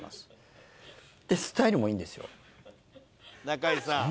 中居さん。